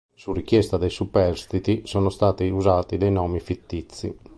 Su richiesta dei superstiti, sono stati usati dei nomi fittizi.